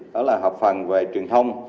đó là hợp phần về truyền thông